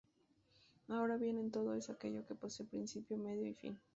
Ahora bien, un todo es aquello que posee principio, medio y fin.